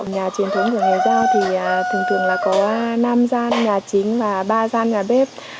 nhà truyền thống của nhà giao thì thường thường là có năm gian nhà chính và ba gian nhà bếp